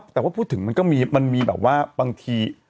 แต่ว่าพูดถึงมันก็มีแบบว่าบางที